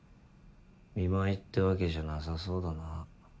見舞いってわけじゃなさそうだな。